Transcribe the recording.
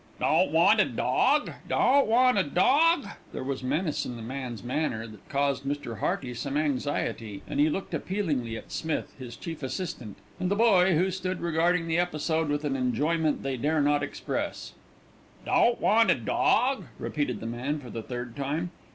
"Don't want a dawg? Don't want a dawg?" There was menace in the man's manner that caused Mr. Hearty some anxiety, and he looked appealingly at Smith, his chief assistant, and the boy, who stood regarding the episode with an enjoyment they dare not express. "Don't want a dawg?" repeated the man for the third time.